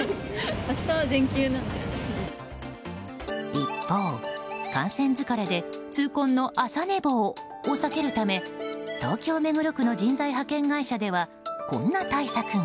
一方、観戦疲れで痛恨の朝寝坊を避けるため東京・目黒区の人材派遣会社ではこんな対策が。